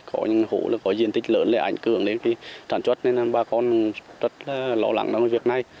có những hố có diện tích lớn để ảnh hưởng đến sản xuất nên bà con rất lo lắng về việc này